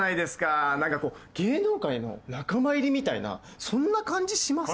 なんかこう芸能界の仲間入りみたいなそんな感じしませんか？